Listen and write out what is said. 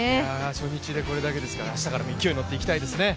初日でこれだけですから明日も勢いに乗っていきたいですね。